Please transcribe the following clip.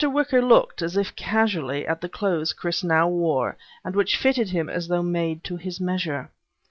Wicker looked, as if casually, at the clothes Chris now wore and which fitted him as though made to his measure.